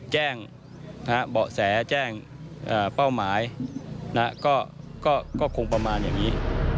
แจ้งเบาะแสแจ้งเป้าหมายก็คงประมาณอย่างนี้